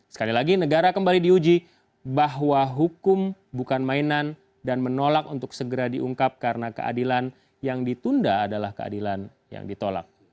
sekali lagi negara kembali diuji bahwa hukum bukan mainan dan menolak untuk segera diungkap karena keadilan yang ditunda adalah keadilan yang ditolak